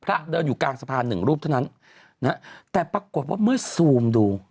พระเดินอยู่กลางสะพาน๑รูปเท่านั้นแต่ปรากฏว่าเมื่อซูมดู